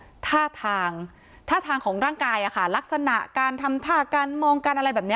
ท่าทางท่าทางของร่างกายอะค่ะลักษณะการทำท่าการมองการอะไรแบบนี้